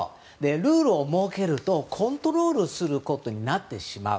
ルールを設けるとコントロールすることになってしまう。